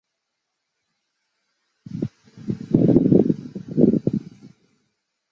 首府加夫萨。